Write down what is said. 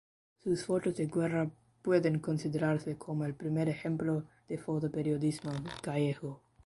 Sus fotos de guerra pueden considerarse como el primer ejemplo de fotoperiodismo gallego.